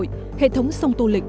imperfect hệ thống sông tô lịch